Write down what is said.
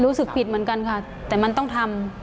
รู้สึกผิดเหมือนกันค่ะแต่มันต้องทำ